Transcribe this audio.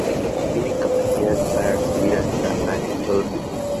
Tiene capacidad para recibir hasta Antonov.